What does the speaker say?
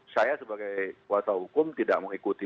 saya sebagai kuasa hukum tidak mengikuti